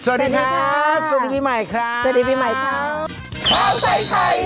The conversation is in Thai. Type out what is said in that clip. สวัสดีครับสวัสดีพี่ใหม่ครับ